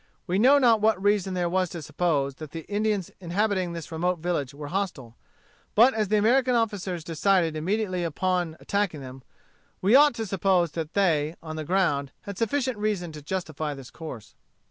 We know not what reason there was to suppose that the Indians inhabiting this remote village were hostile. But as the American officers decided immediately upon attacking them, we ought to suppose that they, on the ground, had sufficient reason to justify this course.